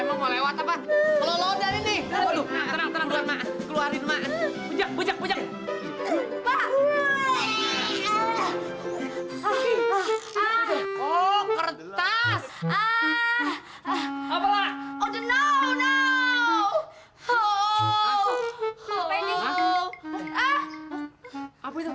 emang mau lewat apa kalau dari nih terang terang keluar maen maen bujak bujuk